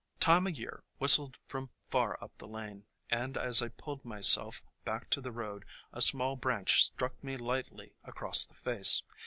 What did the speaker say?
Time o' Year whistled from far up the lane, and as I pulled myself back to the road a small branch struck me lightly across the face.